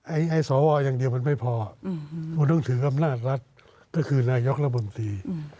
ไอ้สวอย่างเดียวมันไม่พอมันต้องถืออำนาจรัฐก็คือนายกระบนตรี